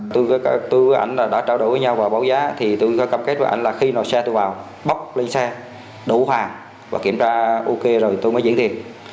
tôi với anh đã trả đổi với nhau vào báo giá thì tôi có cập kết với anh là khi xe tôi vào bốc lên xe đổ hàng và kiểm tra ok rồi tôi mới diễn thiền